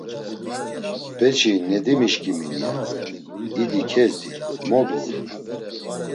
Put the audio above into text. “Beçi Nedimişǩimin!” ya; “İdi kezdi, mo dgur!”